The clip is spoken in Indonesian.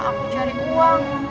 aku cari uang